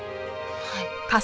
はい。